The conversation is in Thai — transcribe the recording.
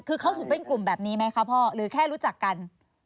คือเขาถือเป็นกลุ่มแบบนี้ไหมคะพ่อหรือแค่รู้จักกัน